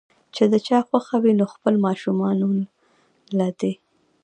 چې د چا خوښه وي نو خپلو ماشومانو له دې